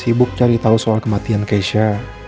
saya sibuk mencari tahu soal kematian keisha